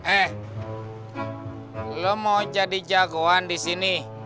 eh lo mau jadi jagoan disini